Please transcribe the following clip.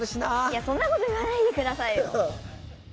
いやそんなこと言わないでくださいよ。